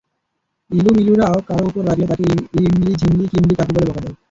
ইলু-মিলুরা কারও ওপর রাগলে তাকে ইমলিঝিমলি কিমলি কাকু বলে বকা দেয়।